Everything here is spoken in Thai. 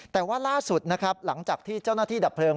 แต่ว่าล่าสุดนะครับหลังจากที่เจ้าหน้าที่ดับเพลิง